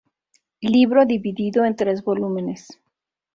Libro dividido en tres volúmenes.